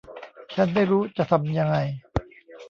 ฉันไม่รู้จะทำยังไง